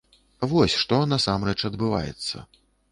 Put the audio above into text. Вось што насамрэч адбываецца.